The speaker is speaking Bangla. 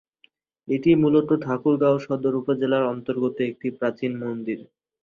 এটি মূলত ঠাকুরগাঁও সদর উপজেলার অন্তর্গত একটি প্রাচীন মন্দির।